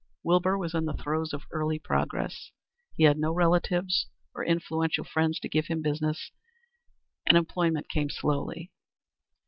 Wilbur was in the throes of early progress. He had no relatives or influential friends to give him business, and employment came slowly.